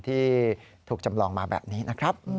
ที่ถูกจำลองมาแบบนี้นะครับ